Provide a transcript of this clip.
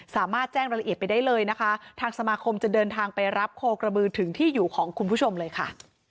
สามารถแจ้งรายละเอียดไปได้เลยนะคะทางสมาคมจะเดินทางไปรับโคกระบือถึงที่อยู่ของคุณผู้ชมเลยค่ะ